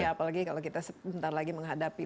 iya apalagi kalau kita sebentar lagi menghadapkan ya